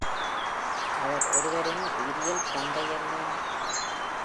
அவர் ஒருவரின் உயிரியல் தந்தை அல்ல.